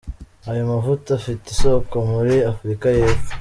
Ayo mavuta afite isoko muri Afurika y’Epfo.